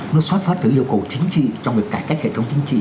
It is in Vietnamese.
nó xuất phát từ yêu cầu chính trị trong việc cải cách hệ thống chính trị